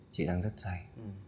chị đang rất say